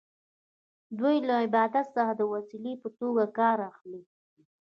دوی له عبادت څخه د وسیلې په توګه کار اخلي.